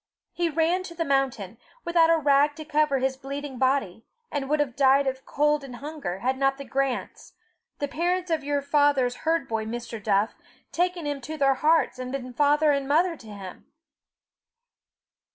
He ran to the mountain, without a rag to cover his bleeding body, and would have died of cold and hunger, had not the Grants, the parents of your father's herd boy, Mr. Duff, taken him to their hearts, and been father and mother to him."